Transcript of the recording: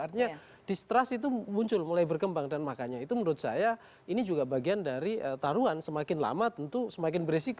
artinya distrust itu muncul mulai berkembang dan makanya itu menurut saya ini juga bagian dari taruhan semakin lama tentu semakin beresiko